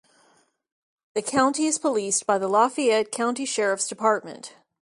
The County is policed by the Lafayette County Sheriff's Department.